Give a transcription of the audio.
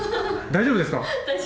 大丈夫です。